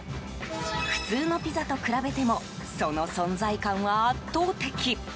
普通のピザと比べてもその存在感は圧倒的。